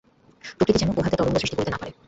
প্রকৃতি যেন উহাতে তরঙ্গ সৃষ্টি করিতে না পারে।